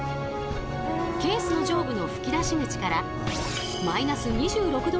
ケースの上部の吹き出し口から−２６℃